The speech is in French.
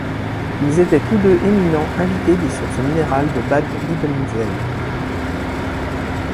Ils étaient tous deux éminents invités des sources minérales de Bad Liebenzell.